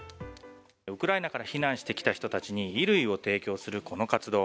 ウクライナから避難してきた人たちに衣類を提供するこの活動。